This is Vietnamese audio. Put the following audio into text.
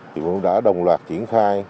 thủ tướng đã đồng loạt triển khai